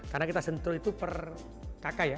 karena kita sentuh itu per kakak ya